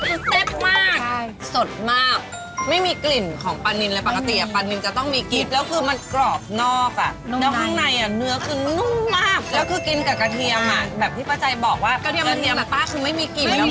คือแซ่บมากสดมากไม่มีกลิ่นของปลานินเลยปกติอ่ะปลานินจะต้องมีกิ๊บแล้วคือมันกรอบนอกอ่ะแล้วข้างในอ่ะเนื้อคือนุ่มมากแล้วคือกินกับกระเทียมอ่ะแบบที่ป้าใจบอกว่ากระเทียมกระเทียมป้าคือไม่มีกลิ่นแล้ว